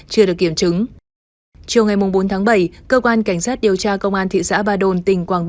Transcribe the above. chưa được kiểm chứng chiều ngày bốn tháng bảy cơ quan cảnh sát điều tra công an thị xã ba đồn tỉnh quảng